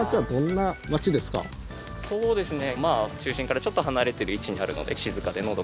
そうですね。